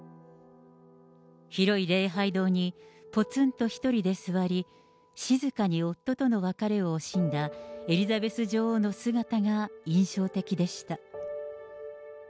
広い礼拝堂にぽつんと一人で座り、静かに夫との別れをしのんだエリザベス女王の姿が印象的でした。